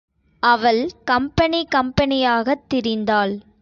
அவள் கம்பெனி கம்பெனியாகத் திரிந்தாள்.